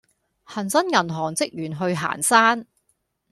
恆生銀行職員去行山